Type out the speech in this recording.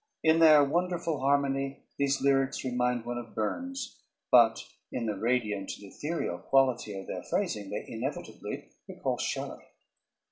In their wonderful harmony these lyrics remind one of Burns, but in the radiant and ethereal quality of their phrasing they inevitably recall Shelley.